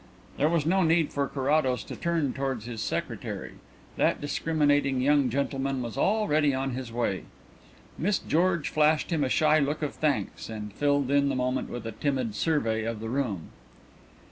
There was no need for Carrados to turn towards his secretary; that discriminating young gentleman was already on his way. Miss George flashed him a shy look of thanks and filled in the moment with a timid survey of the room.